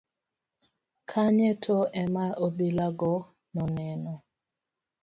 kanye to ema obila go noneno